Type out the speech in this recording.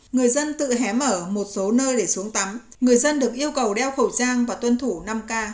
người dân tự hém ở một số nơi để xuống tắm người dân được yêu cầu đeo khẩu trang và tuân thủ năm k